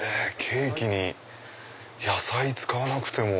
ケーキに野菜使わなくても。